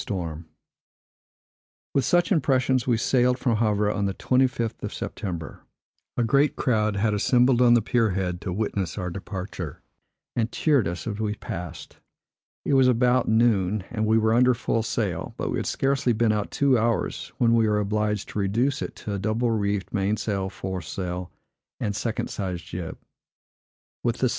With such impressions, we sailed from Havre on the 25th of September. A great crowd had assembled on the pier head to witness our departure, and cheered us as we passed. It was about noon, and we were under full sail; but we had scarcely been out two hours, when we were obliged to reduce it to a double reefed mainsail, foresail, and second sized jib.